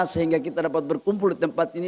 sehingga kita dapat berkumpul di tempat ini